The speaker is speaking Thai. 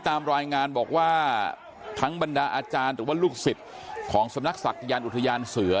ตามรายงานบอกว่าทั้งบรรดาอาจารย์หรือว่าลูกศิษย์ของสำนักศักดิ์อุทยานเสือ